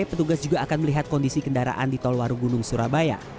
petugas juga akan melihat kondisi kendaraan di tol warugunung surabaya